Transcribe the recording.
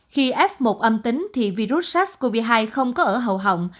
khi f một âm tính thì virus sars cov hai không có ở hậu họng